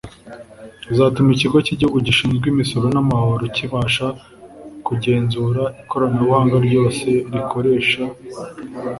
Izatuma Ikigo cy’Igihugu gishinzwe imisoro n’Amahoro kibasha kugenzura ikoranabuhanga ryose gikoresha